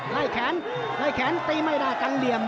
ไล่แขนไล่แขนตีไม่ได้กันเหลี่ยม